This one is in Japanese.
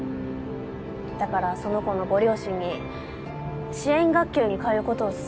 だからその子のご両親に支援学級に通う事を勧めたんです。